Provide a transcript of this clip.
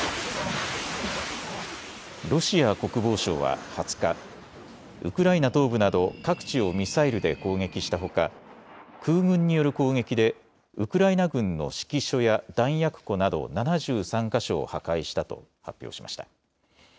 ロシア国防省は２０日、ウクライナ東部など各地をミサイルで攻撃したほか空軍による攻撃でウクライナ軍の指揮所や弾薬庫など７３か所を破壊したと発表しました。